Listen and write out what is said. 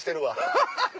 ハハハハ！